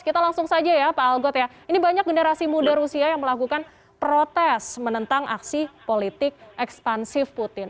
kita langsung saja ya pak algot ya ini banyak generasi muda rusia yang melakukan protes menentang aksi politik ekspansif putin